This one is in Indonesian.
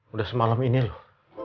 udah semalam ini loh